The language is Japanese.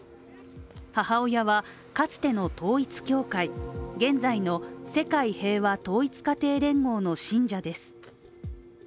母親はかつての統一教会、現在の世界平和統一家庭連合の信者です。